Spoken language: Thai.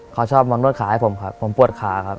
เขาชอบมานวดขาให้ผมครับผมปวดขาครับ